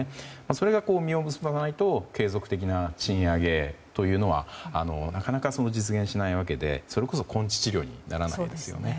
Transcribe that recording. それが実を結ばないと継続的な賃上げはなかなか実現しないわけでそれこそ根治治療にならないですよね。